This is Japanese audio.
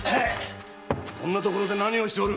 こんな所で何をしておる？